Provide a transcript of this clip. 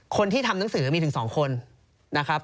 คนที่ทำหนังสือมีถึง๒คนนะครับ